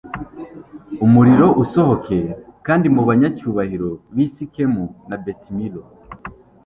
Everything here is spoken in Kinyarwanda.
umuriro usohoke kandi mu banyacyubahiro b'i sikemu na betimilo